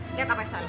lihat apa yang salah